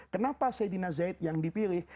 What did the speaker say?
kenapa sayyidina zaid yang dipilih